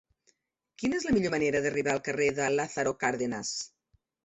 Quina és la millor manera d'arribar al carrer de Lázaro Cárdenas?